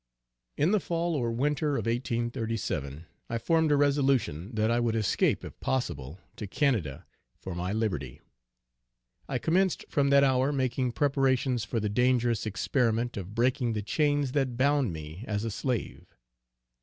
_ In the fall or winter of 1837 I formed a resolution that I would escape, if possible, to Canada, for my Liberty. I commenced from that hour making preparations for the dangerous experiment of breaking the chains that bound me as a slave.